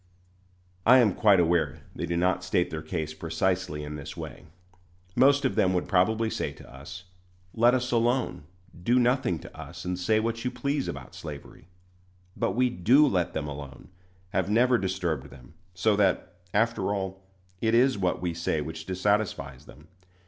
I am quite aware they do not state their case precisely in this way. Most of them would probably say to us, "Let us alone; do nothing to us, and say what you please about slavery." But we do let them alone, have never disturbed them, so that, after all, it is what we say which dissatisfies them.